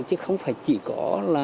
chứ không phải chỉ có